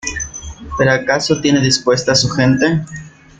¿ pero acaso tiene dispuesta su gente?